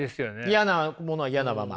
嫌なものは嫌なまま。